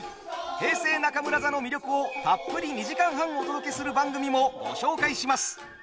平成中村座の魅力をたっぷり２時間半お届けする番組もご紹介します。